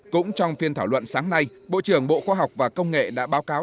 cũng trong phiên thảo luận sáng nay bộ trưởng bộ khoa học và công nghệ đã báo cáo